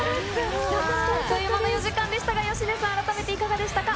さあ、あっという間の４時間でしたが、芳根さん、改めていかがでしたか。